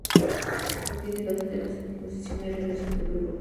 Contiene doce temas de composición y arreglos del propio grupo.